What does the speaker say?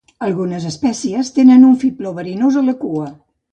Algunes espècies tenen un fibló verinós a la cua.